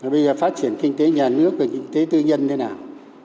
bây giờ phát triển kinh tế nhà nước về kinh tế tư nhân thế nào